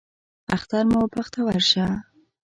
اختر مو بختور شه